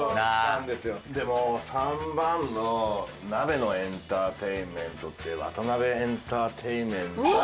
でも３番の鍋のエンターテインメントってワタナベエンターテインメント。